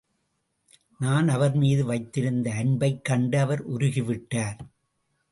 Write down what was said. நான் அவர்மீது வைத்திருந்த அன்பைக் கண்டு அவர் உருகிவிட்டார்.